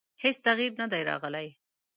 هېڅ تغیر نه دی راغلی.